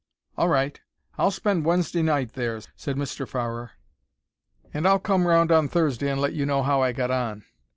"All right; I'll spend Wednesday night there," said Mr. Farrer, "and I'll come round on Thursday and let you know how I got on."